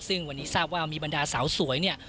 ซึ่งวันนี้ทราบว่ามีบรรดาสาวสวยเนี่ย